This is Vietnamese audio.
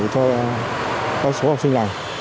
cho các số học sinh này